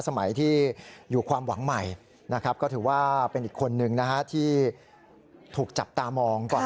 สมัยที่อยู่ความหวังใหม่นะครับก็ถือว่าเป็นอีกคนนึงนะฮะที่ถูกจับตามองก่อน